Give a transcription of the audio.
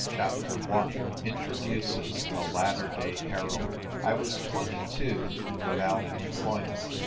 CHAPTER I. INTRODUCES A LATTER DAY HEROINE. I WAS twenty twO; and without employ ment.